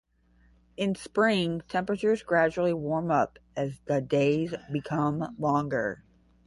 In spring, temperatures gradually warm up as the days become longer.